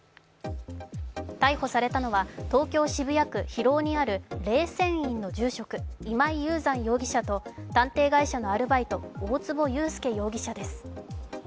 逮捕されたのは東京・渋谷区広尾ｊにある霊泉院の住職・今井雄山容疑者と探偵会社のアルバイト・大坪裕介容疑者です。